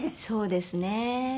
そうですね。